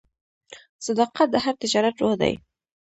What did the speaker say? صداقت د هر تجارت روح دی.